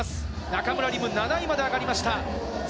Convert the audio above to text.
中村輪夢、７位まで上がりました。